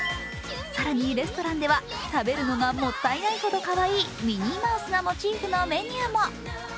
更にレストランでは食べるのがもったいないほどかわいいミニーマウスがモチーフのメニューも。